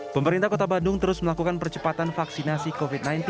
pemerintah kota bandung terus melakukan percepatan vaksinasi covid sembilan belas